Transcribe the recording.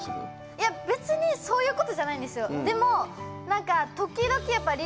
いや別にそういうことじゃないんですよ